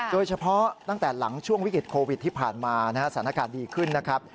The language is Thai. ตั้งแต่หลังช่วงวิกฤตโควิดที่ผ่านมาสถานการณ์ดีขึ้นนะครับ